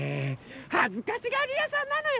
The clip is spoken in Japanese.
はずかしがりやさんなのよね！